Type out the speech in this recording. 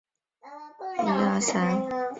光绪十年正式就任盟长。